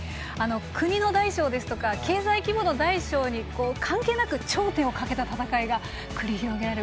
国の大小ですとか経済規模の大小に関係なく頂点をかけた戦いが繰り広げられる。